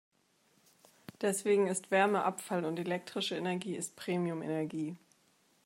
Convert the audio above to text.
Deswegen ist Wärme Abfall und elektrische Energie ist Premium-Energie.